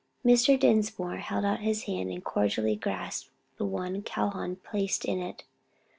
Mr. Dinsmore held out his hand, and cordially grasped the one Calhoun placed in it.